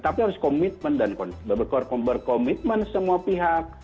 tapi harus berkomitmen semua pihak